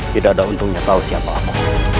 tidak ada untungnya tahu siapa apa